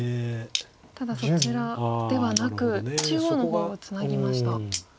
ただそちらではなく中央の方をツナぎました。